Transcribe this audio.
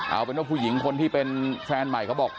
เอาเป็นว่าผู้หญิงคนที่เป็นแฟนใหม่เขาบอก